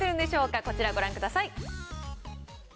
こちらご覧ください。